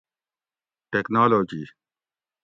ٹیکنالوجی